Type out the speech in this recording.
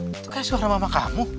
itu kayak suara mama kamu